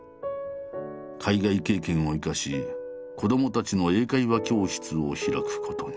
海外経験を生かし子どもたちの英会話教室を開くことに。